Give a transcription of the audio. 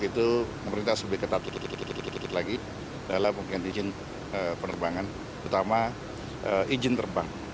terutama izin terbang